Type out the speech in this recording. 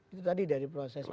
itu kan tadi dari proses